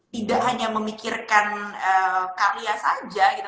tidak hanya memikirkan karya saja gitu